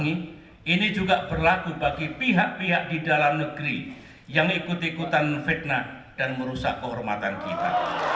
ini juga berlaku bagi pihak pihak di dalam negeri yang ikut ikutan fitnah dan merusak kehormatan kita